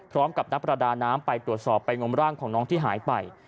พร้อมกับนักประดาน้ำไปตรวจสอบไปงมร่างของน้องที่หายไป